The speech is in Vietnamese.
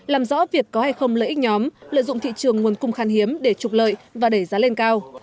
làm rõ việc có hay không lợi ích nhóm lợi dụng thị trường nguồn cung khan hiếm để trục lợi và đẩy giá lên cao